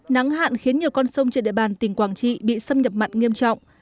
nắng hạn khiến nhiều con sông trên địa bàn tỉnh quảng trị bị xâm nhập mặn nghiêm trọng